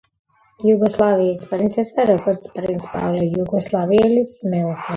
იუგოსლავიის პრინცესა როგორც პრინც პავლე იუგოსლავიელის მეუღლე.